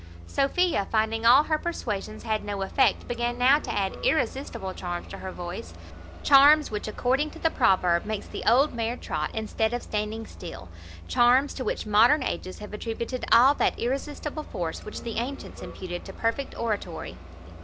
Sophia, finding all her persuasions had no effect, began now to add irresistible charms to her voice; charms which, according to the proverb, makes the old mare trot, instead of standing still; charms! to which modern ages have attributed all that irresistible force which the antients imputed to perfect oratory.